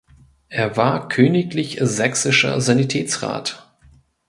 Er war königlich sächsischer Sanitätsrat.